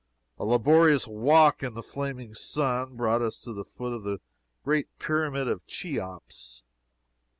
A laborious walk in the flaming sun brought us to the foot of the great Pyramid of Cheops.